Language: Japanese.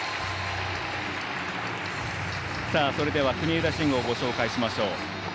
それでは、国枝慎吾をご紹介しましょう。